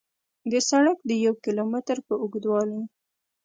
د سړک د یو کیلو متر په اوږدوالي